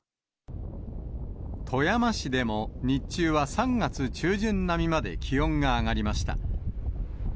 富山市でも日中は３月中旬並みまで気温が上がりました。